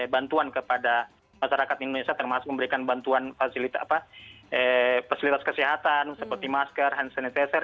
bantuan kepada masyarakat indonesia termasuk memberikan bantuan fasilitas kesehatan seperti masker hand sanitizer